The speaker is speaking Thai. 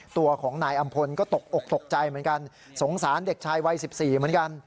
ตัวของนายอำพลก็ตกอกตกใจเหมือนกันสงสารเด็กชายวัย๑๔เหมือนกัน